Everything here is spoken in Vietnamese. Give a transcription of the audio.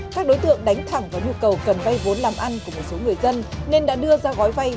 các đối tượng đánh thẳng vào nhu cầu cần vay vốn làm ăn của một số người dân nên đã đưa ra gói vay